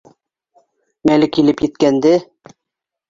Мәле килеп еткәнде